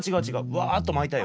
わっとまいたよ。